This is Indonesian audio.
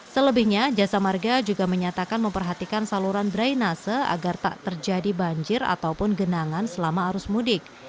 selebihnya jasa marga juga menyatakan memperhatikan saluran drainase agar tak terjadi banjir ataupun genangan selama arus mudik